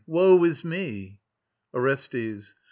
Woe is me! ORESTES.